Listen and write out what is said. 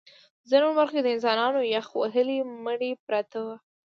ځینو برخو کې د انسانانو یخ وهلي مړي پراته وو